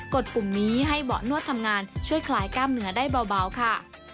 ดปุ่มนี้ให้เบาะนวดทำงานช่วยคลายกล้ามเนื้อได้เบาค่ะ